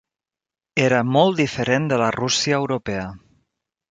Era molt diferent de la Rússia europea.